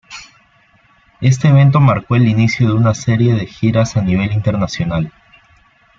Este evento marcó el inicio de una serie de giras a nivel internacional.